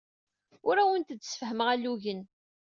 Ur awent-d-ssefhameɣ alugen.